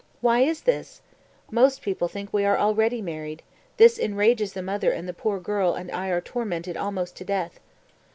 Why is this? Most people think we are already married; this enrages the mother and the poor girl and I are tormented almost to death.